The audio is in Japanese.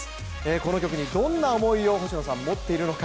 この曲にどんな思いを星野さん、持っているのか。